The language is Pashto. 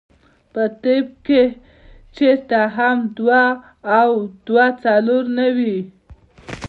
پۀ طب کښې چرته هم دوه او دوه څلور نۀ وي -